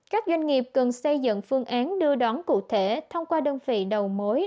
các doanh nghiệp cần xây dựng phương án đưa đón cụ thể thông qua đơn vị đầu mối